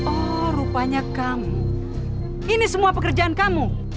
oh rupanya kamu ini semua pekerjaan kamu